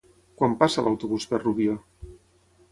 Quan passa l'autobús per Rubió?